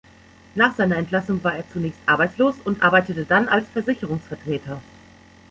Nach seiner Entlassung war er zunächst arbeitslos und arbeitete dann als Versicherungsvertreter.